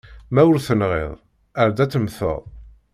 Ma ur tenɣiḍ, ard ad temmteḍ.